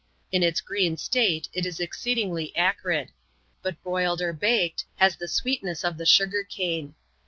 In its green state, it is exceedingly acrid ; but boiled or baked has the sweetness of the sugar cane.